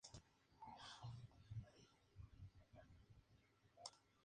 En República Dominicana se denomina frito y es un plato tradicional.